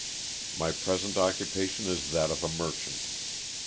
My present occupation is that of a merchant.